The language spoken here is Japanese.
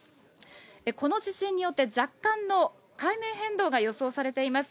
この地震によって若干の海面変動が予想されています。